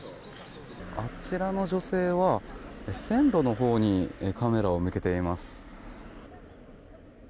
あちらの女性は、線路のほうにカメラを向けています。